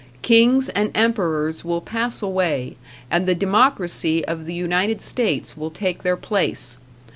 Kings and emperors will pass away, and the democracy of the United States will take their place.